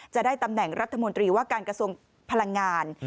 จะได้ตำแหน่งรัฐมนตรีว่าการกระทรวงพลังงาน